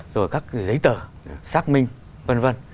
rồi các giấy tờ xác minh vân vân